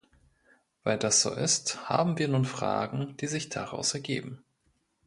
Weil das so ist, haben wir nun Fragen, die sich daraus ergeben.